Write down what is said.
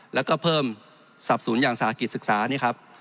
แล้วก็เพิ่มศัพท์ศูนย์อย่างศาลกิจศึกษา